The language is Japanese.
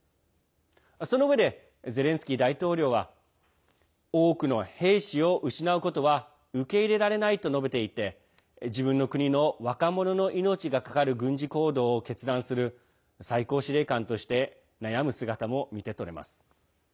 そのうえでゼレンスキー大統領は多くの兵士を失うことは受け入れられないと述べていて自分の国の若者の命がかかる軍事行動を決断する最高司令官として悩む姿も見て取れます。